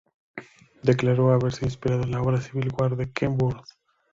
Declaró haberse inspirado en la obra Civil War de Ken Burns.